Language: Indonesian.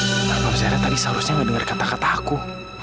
tentang non zaira tadi seharusnya gak dengar kata kata aku